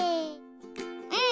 うん！